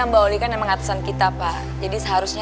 lo tuh kemana sih boy